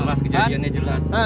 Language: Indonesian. jelas kejadiannya jelas